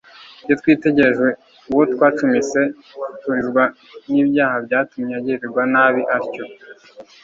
Iyo twitegereje uwo twacumise turizwa n'ibyaha byatumye agirirwa nabi atyo.